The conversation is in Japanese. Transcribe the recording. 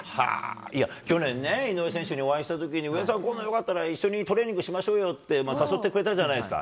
いや、去年ね、井上選手にお会いしたときに、上田さん、今度よかったら、一緒にトレーニングしましょうよって、誘ってくれたじゃないですか。